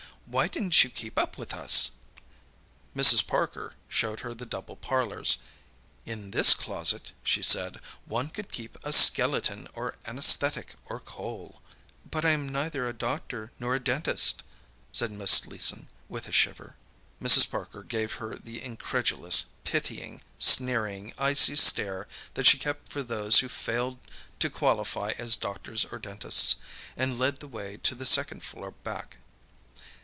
Why didn't you keep up with us?" Mrs. Parker showed her the double parlours. "In this closet," she said, "one could keep a skeleton or anaesthetic or coal—" "But I am neither a doctor nor a dentist," said Miss Leeson, with a shiver. Mrs. Parker gave her the incredulous, pitying, sneering, icy stare that she kept for those who failed to qualify as doctors or dentists, and led the way to the second floor back.